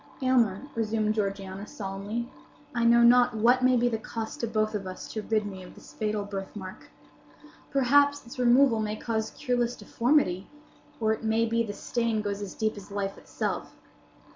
"Aylmer," resumed Georgiana, solemnly, "I know not what may be the cost to both of us to rid me of this fatal birthmark. Perhaps its removal may cause cureless deformity; or it may be the stain goes as deep as life itself.